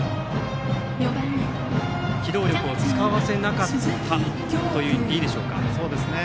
機動力を使わせなかったと言っていいでしょうか。